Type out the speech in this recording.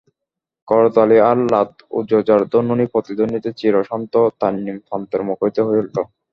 করতালি আর লাত-উযযার ধ্বনি-প্রতিধ্বনিতে চির শান্ত তানঈম প্রান্তর মুখরিত হয়ে উঠল।